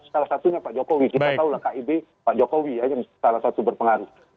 salah satunya pak jokowi kita tahu lah kib pak jokowi yang salah satu berpengaruh